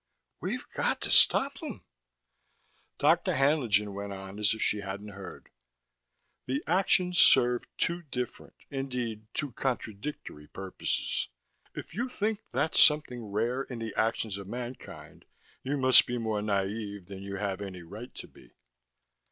"We've got to stop them " Dr. Haenlingen went on as if she hadn't heard. "The action serves two different, indeed two contradictory purposes. If you think that's something rare in the actions of mankind, you must be more naive than you have any right to be."